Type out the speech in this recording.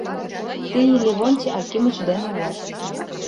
Тый Левонтий Акимыч дене улат.